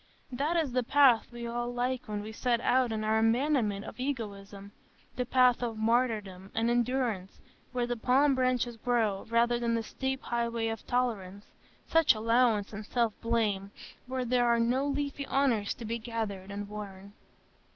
That is the path we all like when we set out on our abandonment of egoism,—the path of martyrdom and endurance, where the palm branches grow, rather than the steep highway of tolerance, just allowance, and self blame, where there are no leafy honours to be gathered and worn.